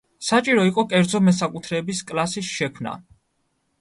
საჭირო იყო კერძო მესაკუთრეების კლასის შექმნა.